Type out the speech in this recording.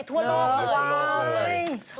ทั่วโลกเลย